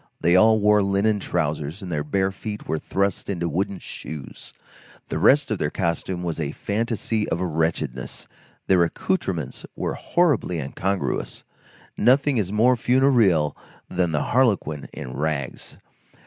They all wore linen trousers, and their bare feet were thrust into wooden shoes. The rest of their costume was a fantasy of wretchedness. Their accoutrements were horribly incongruous; nothing is more funereal than the harlequin in rags.